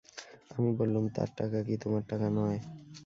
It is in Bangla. আমি বললুম, তার টাকা কি তোমার টাকা নয়?